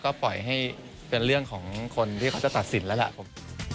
ก็ปล่อยให้เป็นเรื่องของคนที่เขาจะตัดสินแล้วล่ะผม